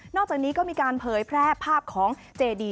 อกจากนี้ก็มีการเผยแพร่ภาพของเจดี